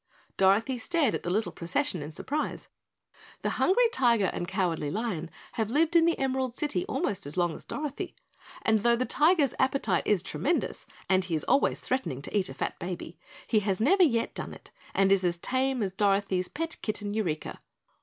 Dorothy stared at the little procession in surprise. The Hungry Tiger and Cowardly Lion have lived in the Emerald City almost as long as Dorothy and though the tiger's appetite is tremendous and he is always threatening to eat a fat baby, he has never yet done it and is tame as Dorothy's pet kitten Eureka.